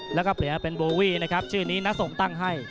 แล้วก็เหลือเป็นโบวี่นะครับชื่อนี้น้าส่งตั้งให้